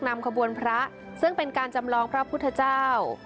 นำขบวนพระซึ่งเป็นการจำลองพระพุทธเจ้า